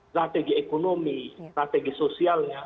strategi ekonomi strategi sosialnya